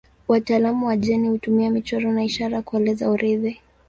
Wataalamu wa jeni hutumia michoro na ishara kueleza urithi.